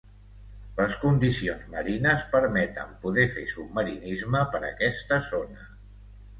Les condicions marines permeten poder fer submarinisme per aquesta zona.